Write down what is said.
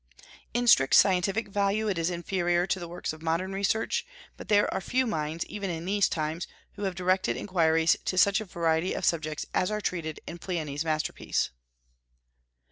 In strict scientific value, it is inferior to the works of modern research; but there are few minds, even in these times, who have directed inquiries to such a variety of subjects as are treated in Pliny's masterpiece.